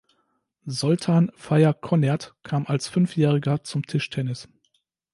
Zoltan Fejer-Konnerth kam als Fünfjähriger zum Tischtennis.